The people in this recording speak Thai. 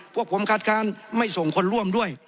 พวกผมคัดค้านไม่ส่งคนร่วมด้วย